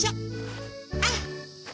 あっ。